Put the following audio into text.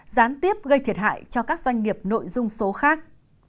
gián tiếp gây thiệt hại cho các doanh nghiệp nội dung số khác